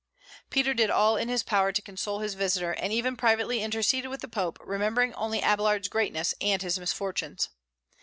Peter did all in his power to console his visitor, and even privately interceded with the Pope, remembering only Abélard's greatness and his misfortunes.